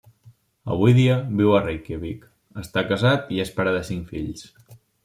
Avui dia, viu a Reykjavík, està casat i és pare de cinc fills.